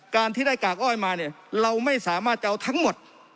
การที่ได้กากอ้อยมาเนี่ยเราไม่สามารถจะเอาทั้งหมด